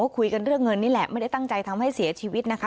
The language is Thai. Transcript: คุยกันเรื่องเงินนี่แหละไม่ได้ตั้งใจทำให้เสียชีวิตนะคะ